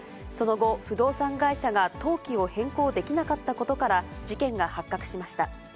その後、不動産会社が登記を変更できなかったことから事件が発覚しました。